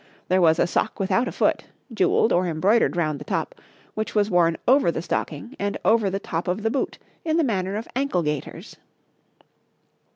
There was a sock without a foot, jewelled or embroidered round the top, which was worn over the stocking and over the top of the boot in the manner of ankle gaiters.